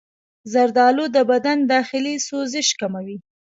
زردآلو د بدن داخلي سوزش کموي.